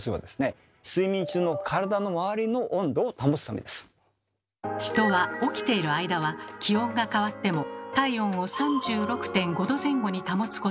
睡眠中の人は起きている間は気温が変わっても体温を３６．５℃前後に保つことができます。